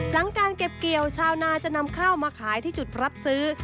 หลังการเก็บเกี่ยวชาวนาจะนำข้าวมาขายที่จุดรับซื้อ